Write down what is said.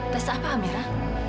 tes apa amira